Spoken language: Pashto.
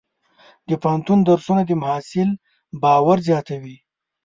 د پوهنتون درسونه د محصل باور زیاتوي.